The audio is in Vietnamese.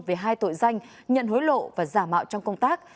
về hai tội danh nhận hối lộ và giả mạo trong công tác